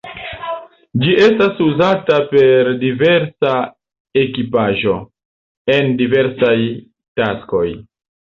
Ĝi estas uzata per diversa ekipaĵo, en diversaj taskoj.